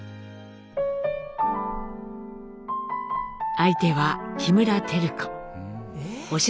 相手は木村照子。え？